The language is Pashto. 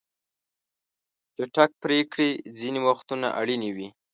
چټک پریکړې ځینې وختونه اړینې وي.